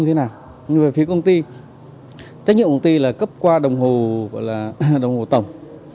nhưng về phía công ty trách nhiệm của công ty là cấp qua đồng hồ tổng